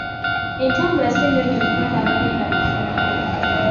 Entambula si nnungi ku baana abagenda ku ssomero.